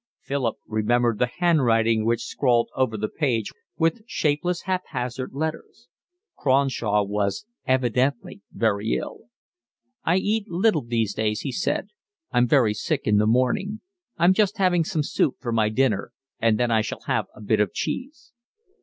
Philip remembered the handwriting which scrawled over the page with shapeless, haphazard letters. Cronshaw was evidently very ill. "I eat little these days," he said. "I'm very sick in the morning. I'm just having some soup for my dinner, and then I shall have a bit of cheese."